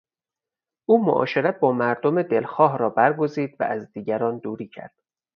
او معاشرت با مردم دلخواه را برگزید و از دیگران دوری کرد.